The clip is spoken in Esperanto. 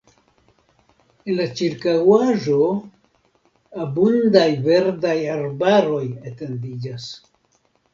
En la ĉirkaŭaĵo abundaj verdaj arbaroj etendiĝas.